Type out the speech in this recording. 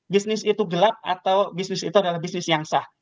bisnis itu gelap atau bisnis itu adalah bisnis yang sah